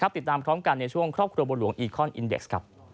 ติดตามพร้อมกันในช่วงครอบครัวบนหลวงอีคอนอินเดส